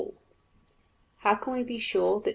How can we be sure that $2.